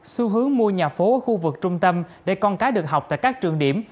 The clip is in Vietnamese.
xu hướng mua nhà phố ở khu vực trung tâm để con cái được học tại các trường điểm